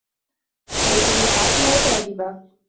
لَيسَ لِوَقعَتِها كاذِبَةٌ